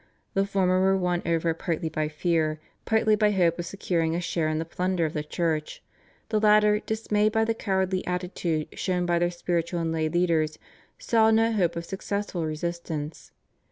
The former were won over partly by fear, partly by hope of securing a share in the plunder of the Church; the latter, dismayed by the cowardly attitude shown by their spiritual and lay leaders, saw no hope of successful resistance.